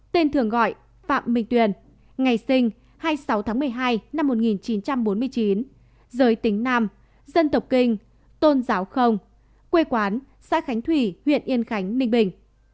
tên thường gọi phạm minh tuyền ngày sinh hai mươi sáu tháng một mươi hai năm một nghìn chín trăm bốn mươi chín giới tính nam dân tộc kinh tôn giáo không quê quán xã khánh thủy huyện yên khánh ninh bình